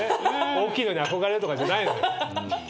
大きいのに憧れるとかじゃないのよ。